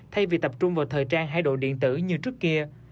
thay vì tập trung vào thời trang hay đồ điện tử như trước kia